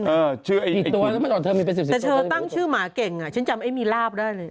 แต่เธอตั้งชื่อหมาเก่งอ่ะฉันจำไอ้มีลาบได้เลย